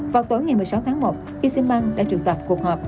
vào tối ngày một mươi sáu tháng một asean bank đã trường tập cuộc họp